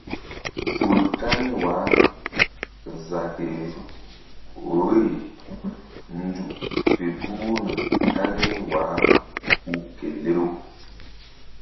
Vul kani wah za ke vbuyzuk fe puhna kani wah hu kelew.